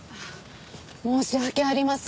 申し訳ありません。